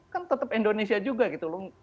kan tetap indonesia juga gitu loh